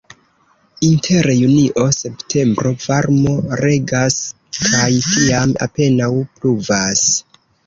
Inter junio-septembro varmo regas kaj tiam apenaŭ pluvas.